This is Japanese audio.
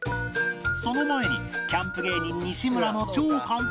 その前にキャンプ芸人西村の超簡単メシ